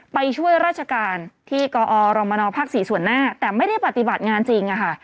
ไปช่วยราชการที่กอรมนภ๔ส่วนหน้าแต่ไม่ได้ปฏิบัติงานจริง